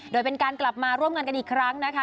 โดยเป็นการกลับมาร่วมงานกันอีกครั้งนะคะ